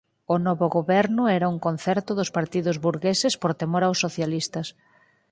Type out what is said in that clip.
O novo Goberno era un concerto dos partidos burgueses por temor aos socialistas.